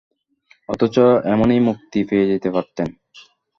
অথচ এমনিই মুক্তি পেয়ে যেতে পারতেন।